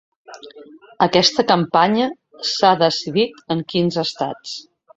Aquesta campanya s’ha decidit en quinze estats.